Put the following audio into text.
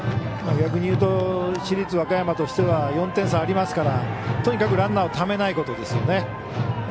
逆に言うと市立和歌山としては４点差ありますからとにかくランナーをためないことですよね。